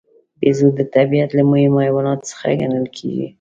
بیزو د طبیعت له مهمو حیواناتو څخه ګڼل کېږي.